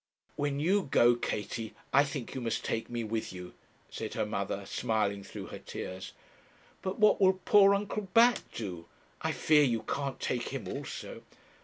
'When you go, Katie, I think you must take me with you,' said her mother, smiling through her tears. 'But what will poor Uncle Bat do? I fear you can't take him also.'